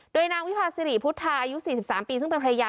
โดยนางวิพาสิริพุทธาอายุ๔๓ปีซึ่งเป็นภรรยา